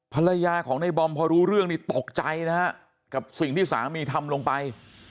ภรรยาของในบอมพอรู้เรื่องนี้ตกใจนะฮะกับสิ่งที่สามีทำลงไป